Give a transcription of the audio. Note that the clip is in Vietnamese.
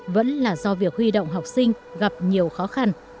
vẫn là do việc huy động học sinh gặp nhiều khó khăn